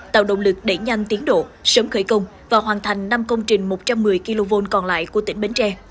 tạo động lực để nhanh tiến độ sớm khởi công và hoàn thành năm công trình một trăm một mươi kv còn lại của tỉnh bến tre